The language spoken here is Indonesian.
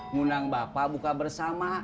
ngundang bapak buka bersama